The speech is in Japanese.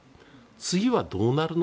次はどうなるの？